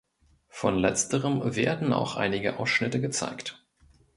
Von Letzterem werden auch einige Ausschnitte gezeigt.